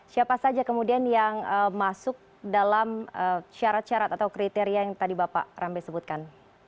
siapa saja kemudian yang masuk dalam syarat syarat atau kriteria yang tadi bapak rambe sebutkan